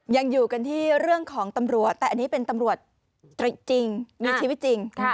ยังอยู่กันที่เรื่องของตำรวจแต่อันนี้เป็นตำรวจจริงมีชีวิตจริง